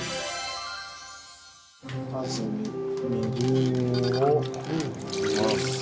まずみりんを入れます。